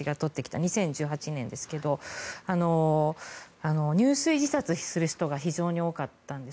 ２０１８年ですが入水自殺する人が非常に多かったんです。